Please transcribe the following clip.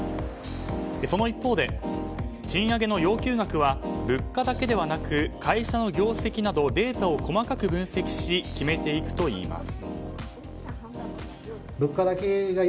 その一方で、賃上げの要求額は物価だけではなく会社の業績などデータを細かく分析し決めていくといいます。